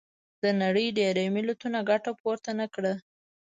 د نړۍ ډېری ملتونو ګټه پورته نه کړه.